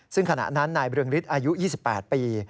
ซึ่งขณะนั้นนายเรืองฤทธิ์อายุ๒๘ปี